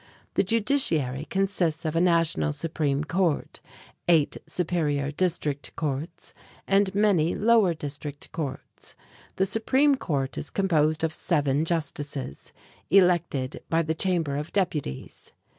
The judiciary consists of a national supreme court, eight superior district courts, and many lower district courts. The supreme court is composed of seven justices, elected by the Chamber of Deputies.